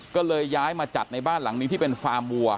ก็เลยย้ายมาจัดในบ้านหลังนี้ที่เป็นฟาร์มวัว